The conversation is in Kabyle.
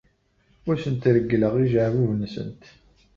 Ur asent-reggleɣ ijeɛbuben-nsent.